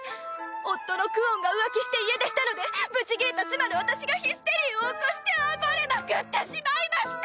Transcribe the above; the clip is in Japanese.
夫のクオンが浮気して家出したのでブチギレた妻の私がヒステリーを起こして暴れまくってしまいました！